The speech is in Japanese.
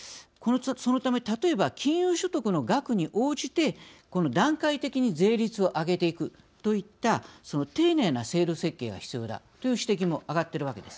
そのため、例えば金融所得の額に応じてこの段階的に税率を上げていくといった丁寧な制度設計が必要だという指摘も上がっているわけです。